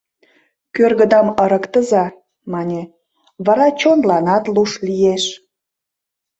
— Кӧргыдам ырыктыза, — мане, — вара чонланат луш лиеш.